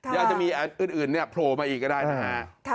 อยากจะมีอื่นโพลมาอีกก็ได้นะฮะ